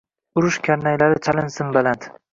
Urush karnaylari chalinsin baland.